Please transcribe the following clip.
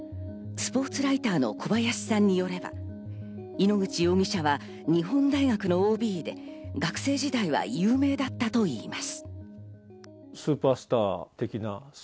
スポーツライターの小林さんによれば、井ノ口容疑者は日本大学のＯＢで、学生時代は有名だったといいます。